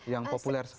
yang populer sekali